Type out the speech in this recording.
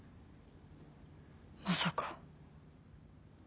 まさか。